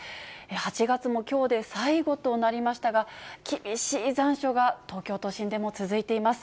８月もきょうで最後となりましたが、厳しい残暑が東京都心でも続いています。